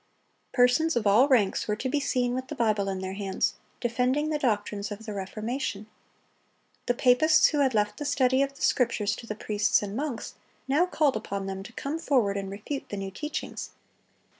Persons of all ranks were to be seen with the Bible in their hands, defending the doctrines of the Reformation. The papists who had left the study of the Scriptures to the priests and monks, now called upon them to come forward and refute the new teachings.